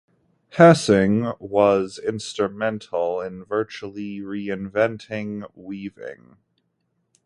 Hessing was instrumental in virtually reinventing weaving.